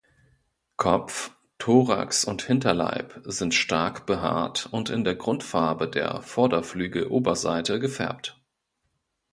Kopf, Thorax und Hinterleib sind stark behaart und in der Grundfarbe der Vorderflügeloberseite gefärbt.